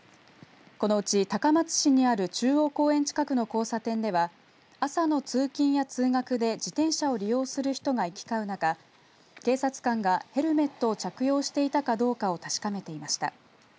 このうち高松市にある中央公園近くの交差点では朝の通勤や通学で自転車を利用する人が行きかう中警察官がヘルメットを着用していたかどうかを確かめていました。